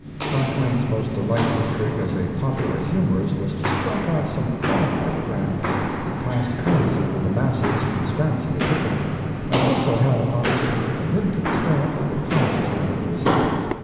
Mark Twain's most delightful trick as a popular humorist was to strike out some comic epigram, that passed currency with the masses whose fancy it tickled, and also had upon it the minted stamp of the classic aphorism.